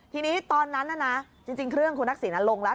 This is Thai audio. ทีนี้ตอนนั้นน่ะนะจริงเครื่องคุณทักษิณลงแล้ว